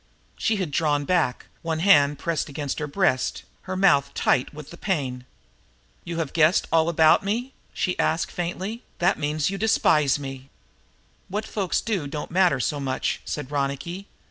She had drawn back, one hand pressed against her breast, her mouth tight with the pain. "You have guessed all that about me?" she asked faintly. "That means you despise me!" "What folks do don't matter so much," said Ronicky.